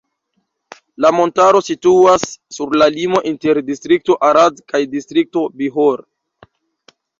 La montaro situas sur la limo inter distrikto Arad kaj distrikto Bihor.